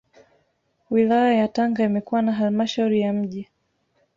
Wilaya ya Tanga imekuwa na Halmashauri ya Mji